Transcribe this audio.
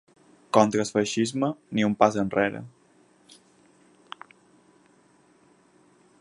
Contra el feixisme, ni un pas enrere!